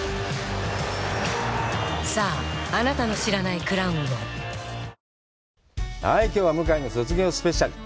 「旅サラダ」のきょうは向井の卒業スペシャル。